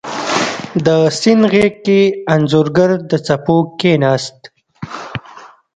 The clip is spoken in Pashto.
د سیند غیږ کې انځورګر د څپو کښېناست